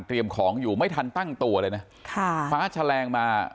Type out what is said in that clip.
ของอยู่ไม่ทันตั้งตัวเลยนะค่ะฟ้าแฉลงมา